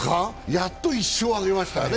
やっと１勝挙げましたね。